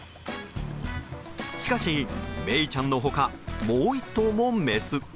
しかし、メイちゃんの他もう１頭もメス。